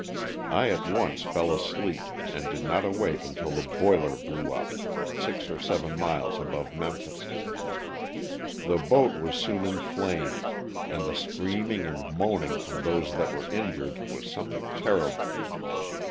I at once fell asleep and did not awake until the boiler blew up, six or seven miles above Memphis. The boat was soon in flames and the screaming and moaning from those that were injured was something terrible.